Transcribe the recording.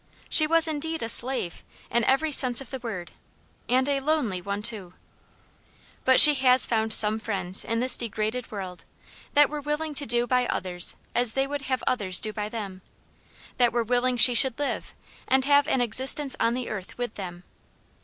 She was indeed a slave, in every sense of the word; and a lonely one, too. But she has found some friends in this degraded world, that were willing to do by others as they would have others do by them; that were willing she should live, and have an existence on the earth with them.